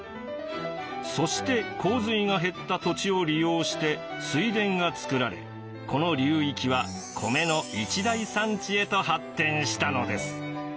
そして洪水が減った土地を利用して水田が作られこの流域は米の一大産地へと発展したのです。